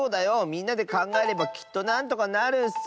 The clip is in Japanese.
みんなでかんがえればきっとなんとかなるッス！